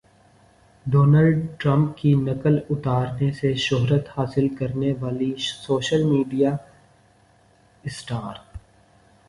Donald Trump کی نقل اتارنے سے شہرت حاصل کرنے والی سوشل میڈیا اسٹار